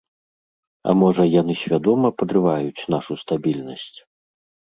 А можа, яны свядома падрываюць нашу стабільнасць?